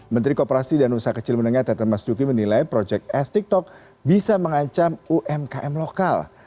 menteri kooperasi dan usaha kecil menengah teten mas duki menilai project s tiktok bisa mengancam umkm lokal